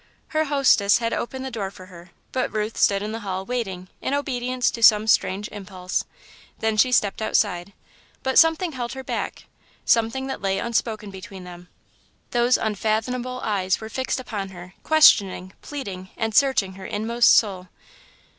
Her hostess had opened the door for her, but Ruth stood in the hall, waiting, in obedience to some strange impulse. Then she stepped outside, but something held her back something that lay unspoken between them. Those unfathomable eyes were fixed upon her, questioning, pleading, and searching her inmost soul.